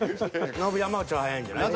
ノブ山内は早いんじゃない？